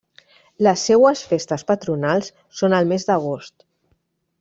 Les seues festes patronals són al mes d'agost.